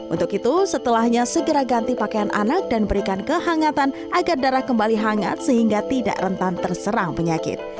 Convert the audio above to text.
untuk itu setelahnya segera ganti pakaian anak dan berikan kehangatan agar darah kembali hangat sehingga tidak rentan terserang penyakit